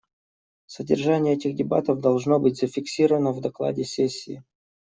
Содержание этих дебатов должно быть зафиксировано в докладе сессии.